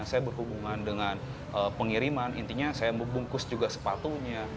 saya berhubungan dengan pengiriman intinya saya membungkus juga sepatunya